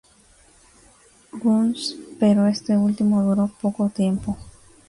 Guns pero este último duró poco tiempo.